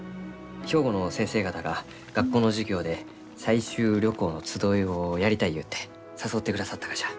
兵庫の先生方が学校の授業で採集旅行の集いをやりたいゆうて誘ってくださったがじゃ。